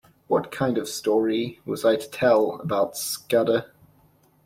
What kind of a story was I to tell about Scudder?